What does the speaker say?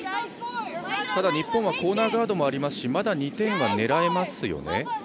ただ、日本はコーナーガードもありますしまだ２点は狙えますよね。